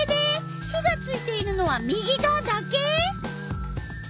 火がついているのは右がわだけ！？